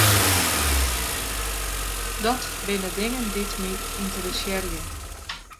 Dat binne dingen dy't my ynteressearje.